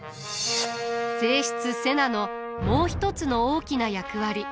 正室瀬名のもう一つの大きな役割。